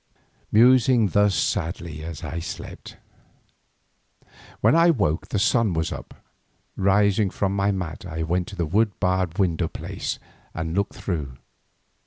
Musing thus sadly at last I slept. When I woke the sun was up. Rising from my mat I went to the wood barred window place and looked through.